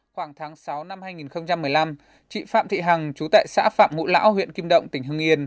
khoảng tháng sáu năm hai nghìn một mươi năm chị phạm thị hằng chú tại xã phạm ngũ lão huyện kim động tỉnh hưng yên